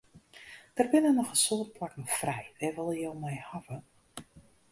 Der binne noch in soad plakken frij, wêr wolle jo my hawwe?